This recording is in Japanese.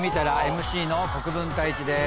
ＭＣの国分太一です